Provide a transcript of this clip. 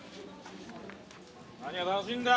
何が楽しんだ！